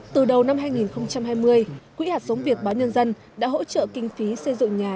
từ đầu năm hai nghìn hai mươi quỹ hạt sống việt báo nhân dân đã hỗ trợ kinh phí xây dựng nhà